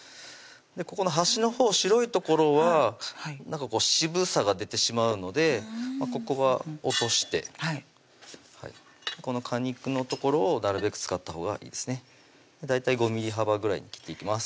ここの端のほう白い所は渋さが出てしまうのでここは落としてこの果肉の所をなるべく使ったほうがいいですね大体５ｍｍ幅ぐらいに切っていきます